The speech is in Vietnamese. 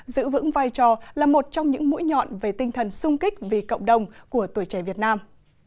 giữ vững vai trò là một trong những mũi nhọn về tinh thần sung kích vì cộng đồng của tuổi trẻ việt nam